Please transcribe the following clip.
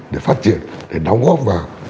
để phát triển để đóng góp vào